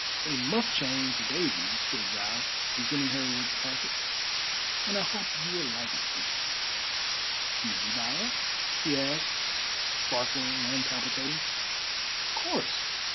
"A muff chain for Daisy," said Giles, presenting her with the packet, "and I hope you will like it, dear." "Did you buy it?" she asked, sparkling and palpitating. "Of course.